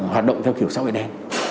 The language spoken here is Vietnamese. hoạt động theo kiểu sâu ế đen